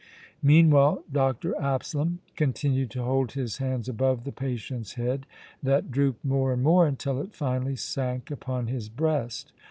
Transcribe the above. Meanwhile Dr. Absalom continued to hold his hands above the patient's head that drooped more and more until it finally sank upon his breast.